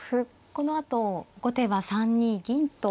このあと後手は３二銀と。